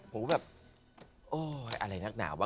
ผมก็แบบอะไรนักหนาว